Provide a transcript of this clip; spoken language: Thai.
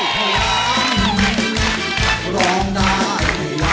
น้องตุ๋นโทรงได้